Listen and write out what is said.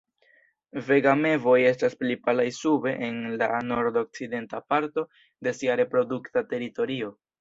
Vega mevoj estas pli palaj sube en la nordokcidenta parto de sia reprodukta teritorio.